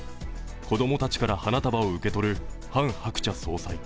子どもたちから花束を受け取るハン・ハクチャ総裁。